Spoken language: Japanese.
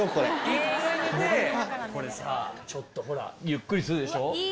これさちょっとほらゆっくりするでしょ。